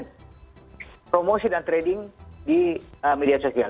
dan promosi dan training di media sosial